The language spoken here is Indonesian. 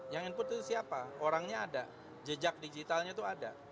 yang input itu siapa orangnya ada jejak digitalnya itu ada